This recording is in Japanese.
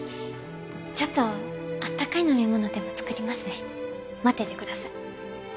ちょっと温かい飲み物でも作りますね待っててください